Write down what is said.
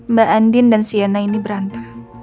mbak andien dan sienna ini berantem